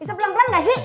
bisa pelan pelan gak sih